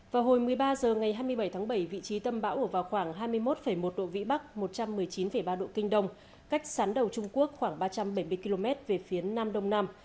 vào hồi một mươi ba h ngày hai mươi bảy tháng bảy vị trí tâm bão ở vào khoảng hai mươi một một độ vĩ bắc một trăm một mươi chín ba độ kinh đông cách sán đầu trung quốc khoảng ba trăm bảy mươi km về phía nam đông nam